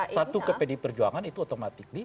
satu ke pdi perjuangan itu otomatik